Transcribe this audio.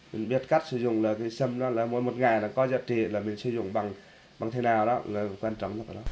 mình biết cách sử dụng là cây sâm đó là mỗi một ngày nó có giá trị là mình sử dụng bằng thế nào đó là quan trọng lắm